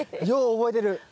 よう覚えてる。